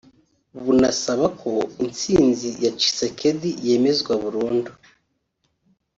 bunasaba ko intsinzi ya Tshisekedi yemezwa burundu